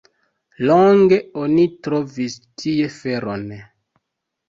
Longe oni trovis tie feron.